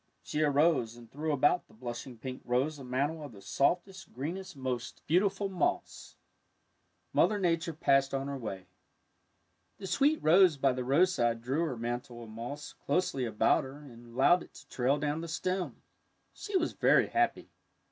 She arose and threw about the blushing pink rose a mantle of the softest, greenest, most beautiful moss. Mother Nature passed on her way. The sweet rose by the roadside drew her mantle of moss closely about her and allowed it to trail down the stem. She was very happy.